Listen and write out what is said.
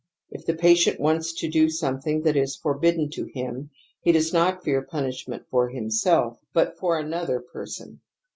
If the patient wants to do something that is for bidden to him he does not fear punishment for himself, but for another person.